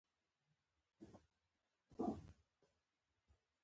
هغه د کڼو ماشومانو ځانګړي ښوونځي ته و نه لېږل شو